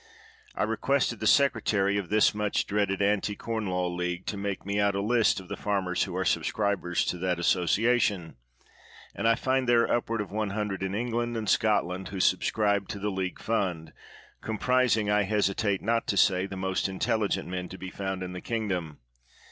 I requested the secretary of this much dreaded Anti Corn Law League to make me out a list of the farmers who are sub scribers to that association, and I find there are upward of one hundred in England and Scot land who subscribe to the league fund, com 167 TH£ WORLD'S FAMOUS ORATIONS prising, I hesitate not to say, the most intelligent men to be found in the kingdom.